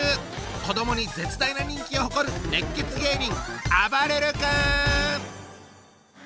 子どもに絶大な人気を誇る熱血芸人！